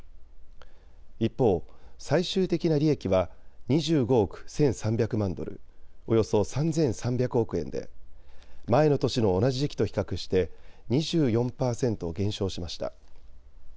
一方、最終的な利益は２５億１３００万ドル、およそ３３００億円で前の年の同じ時期と比較して２４％減少しました。